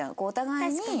お互いに。